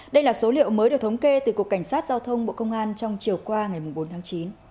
đây là số liệu mới được thống kê từ cục cảnh sát giao thông bộ công an trong chiều qua ngày bốn tháng chín